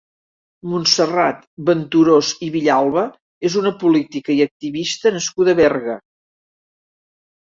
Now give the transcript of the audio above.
Montserrat Venturós i Villalba és una política i activista nascuda a Berga.